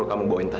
kamu gak dengar